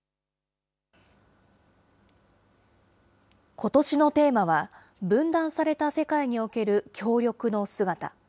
ことしのテーマは、分断された世界における協力の姿。